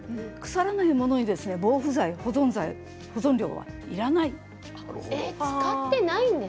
腐らないものに防腐剤保存剤保存料はいりません。